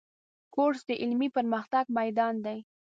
کورس د علمي پرمختګ میدان دی.